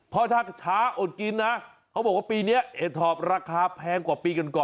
เพราะถ้าช้าอดกินนะเขาบอกว่าปีนี้เห็ดถอบราคาแพงกว่าปีก่อน